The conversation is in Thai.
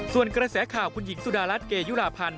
ส่วนเกษียะข่าวคุณหญิงสุดาลัดเกยุราพันธ์